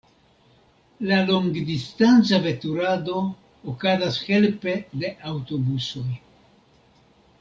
La longdistanca veturado okazas helpe de aŭtobusoj.